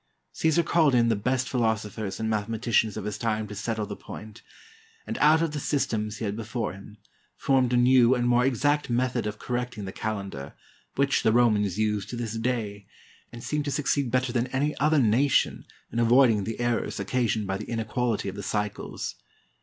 Cassar called in the best philosophers and mathematicians of his time to settle the point, and out of the systems he had before him, formed a new and more exact method of correcting the calendar, which the Romans use to this day, and seem to succeed better than any other nation in avoiding the er rors occasioned by the inequality of the cycles.